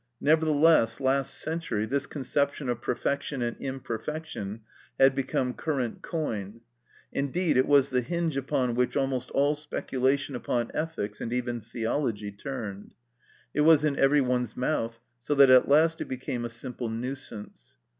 Nevertheless last century this conception of perfection and imperfection had become current coin; indeed it was the hinge upon which almost all speculation upon ethics, and even theology, turned. It was in every one's mouth, so that at last it became a simple nuisance.